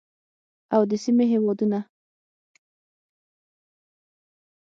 او د سیمې هیوادونه